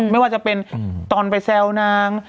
ไม่ว่าจะเป็นตอนไปแซวนาง